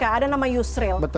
ada nama yusril